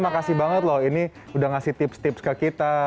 terima kasih banget loh ini udah ngasih tips tips ke kita